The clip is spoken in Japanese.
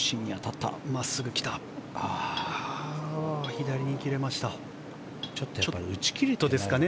左に切れました。